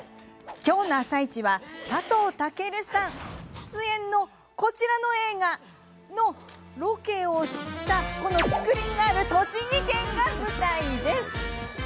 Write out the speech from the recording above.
今日の「あさイチ」は佐藤健さん出演のこちらの映画のロケをしたこの竹林がある栃木県が舞台です。